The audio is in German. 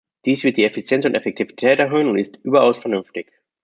Dies wird die Effizienz und Effektivität erhöhen und "ist überaus vernünftig".